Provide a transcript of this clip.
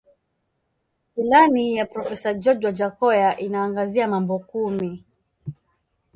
Ilani ya profesa George Wajackoya inaangazia mambo kumi